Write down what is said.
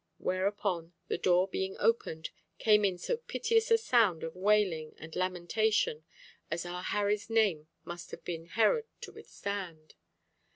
Whereupon, the door being opened, came in so piteous a sound of wailing and lamentation as our Harry's name must have been Herod to withstand!